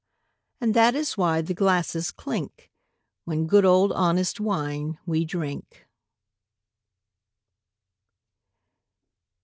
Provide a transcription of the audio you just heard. And that is why the glasses clink When good old honest wine we drink.